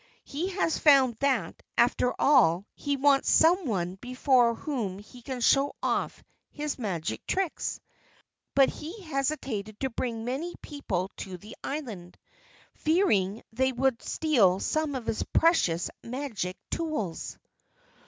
He has found that, after all, he wants someone before whom he can show off his magic tricks. But he hesitated to bring many people to the island, fearing they would steal some of his precious magic tools."